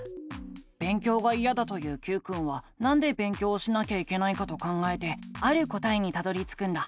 勉強がいやだと言うＱくんはなんで勉強をしなきゃいけないかと考えてある答えにたどりつくんだ。